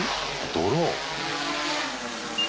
ドローン。